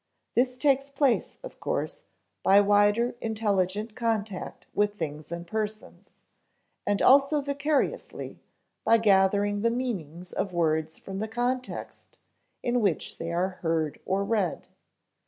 This takes place, of course, by wider intelligent contact with things and persons, and also vicariously, by gathering the meanings of words from the context in which they are heard or read.